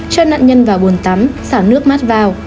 cho nạn nhân vào buồn tắm xả nước mát vào